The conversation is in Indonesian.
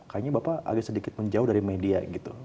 kayaknya bapak agak sedikit menjauh dari media gitu